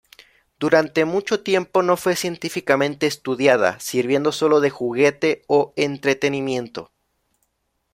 Durante mucho tiempo no fue científicamente estudiada, sirviendo solo de juguete o entretenimiento.